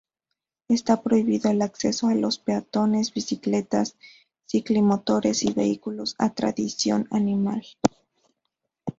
Está prohibido el acceso a los peatones, bicicletas, ciclomotores y vehículos a tracción animal.